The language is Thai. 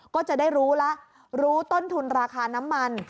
ก็จะได้รู้แล้วรู้ต้นทุนราคาน้ำมัน